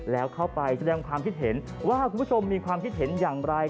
แล้วเข้าไปแสดงความคิดเห็นว่าคุณผู้ชมมีความคิดเห็นอย่างไร